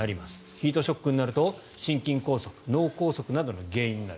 ヒートショックになると心筋梗塞、脳梗塞などの原因になる。